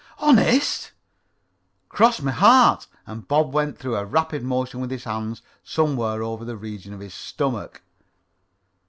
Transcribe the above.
"Honest?" "Cross my heart," and Bob went through a rapid motion with his hands somewhere over the region of his stomach.